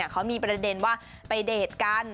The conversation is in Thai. เขามีประเด็นว่าไปเดทกัน